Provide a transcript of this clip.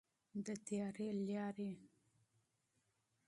د تیارې لارې.